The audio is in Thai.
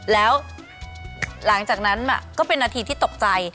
แล้วหลังจากนั้นก็เป็นนาทีที่ตกใจ